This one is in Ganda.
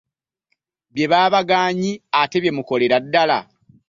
Bye baabagaanyi ate bye mukolera ddala!